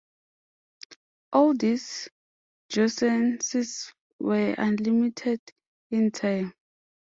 All these jouissances were unlimited in time.